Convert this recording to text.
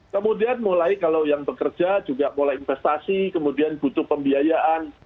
kemudian mulai kalau yang bekerja juga mulai investasi kemudian butuh pembiayaan